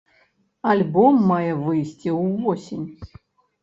Альбом мае выйсці ўвосень.